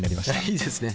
いいですね。